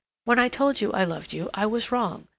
When I told you I loved you, I was wrong.